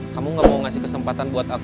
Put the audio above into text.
kamu gak mau ngasih kesempatan buat aku